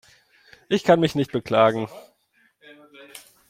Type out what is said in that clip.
Ich kann mich nicht beklagen.